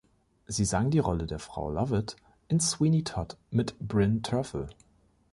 Sie sang die Rolle der Frau Lovett in „Sweeney Todd“ mit Bryn Terfel.